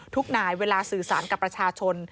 นายเวลาสื่อสารกับประชาชน